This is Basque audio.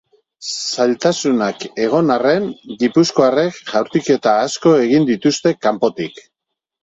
Zailtasunak egon arren, gipuzkoarrek jaurtiketa asko egin dituzte kanpotik.